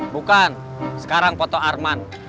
bukan sekarang foto arman